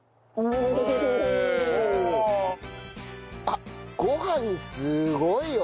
あっご飯にすごいよ！